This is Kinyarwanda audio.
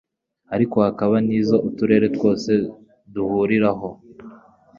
ariko hakaba n'izo uturere twose duhuriraho.